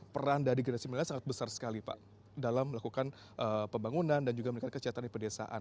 peran dari generasi milenial sangat besar sekali pak dalam melakukan pembangunan dan juga meningkatkan kesehatan di pedesaan